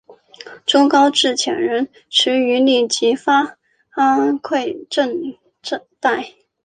朱高炽遣人驰谕立即发廪赈贷。